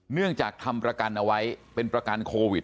เนื่องจากทำประกันเอาไว้เป็นประกันโควิด